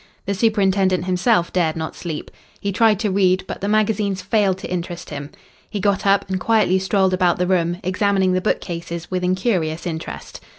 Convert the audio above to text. The superintendent himself dared not sleep. He tried to read, but the magazines failed to interest him. He got up and quietly strolled about the room, examining the bookcases with incurious interest.